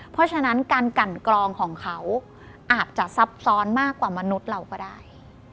เพราะฉะนั้นการกันกรองของเขาอาจจะซับซ้อนมากกว่ามนุษย์เราก็ได้